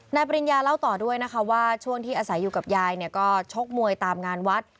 ปริญญาเล่าต่อด้วยนะคะว่าช่วงที่อาศัยอยู่กับยายเนี่ยก็ชกมวยตามงานวัด